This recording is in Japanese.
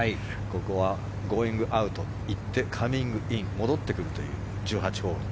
ここはゴーイングアウト行って、カミングイン戻ってくるという１８ホール。